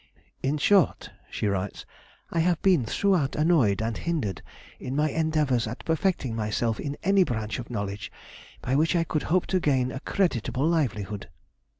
"In short," she writes, "I have been throughout annoyed and hindered in my endeavours at perfecting myself in any branch of knowledge by which I could hope to gain a creditable livelihood."